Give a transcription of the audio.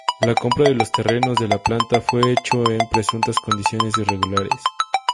La compra de los terrenos de la planta fue hecho en presuntas condiciones irregulares.